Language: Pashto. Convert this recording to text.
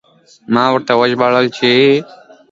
ما ورته ژباړله چې: 'Abbastanza bene' په دې مانا چې ډېره ښه ده.